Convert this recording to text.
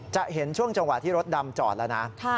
จะเห็นช่วงจังหวะที่รถดำจอดแล้วนะ